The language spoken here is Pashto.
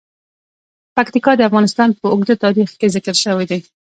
پکتیکا د افغانستان په اوږده تاریخ کې ذکر شوی دی.